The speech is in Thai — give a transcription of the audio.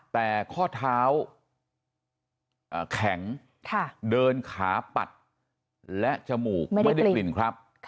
แต่ข้อเท้าแข็งเดินขาปัดและจมูกไม่ได้กลิ่นครับ